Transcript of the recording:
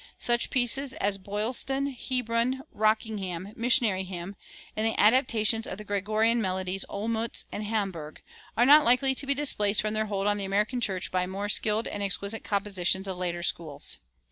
Such pieces as "Boylston," "Hebron," "Rockingham," "Missionary Hymn," and the adaptations of Gregorian melodies, "Olmutz" and "Hamburg," are not likely to be displaced from their hold on the American church by more skilled and exquisite compositions of later schools.